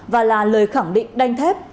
và là lời khẳng định đanh thép